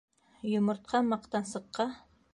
Йомортҡа маҡтансыҡҡа: